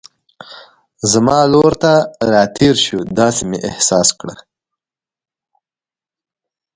زما لور ته را تېر شو، داسې مې احساس کړل.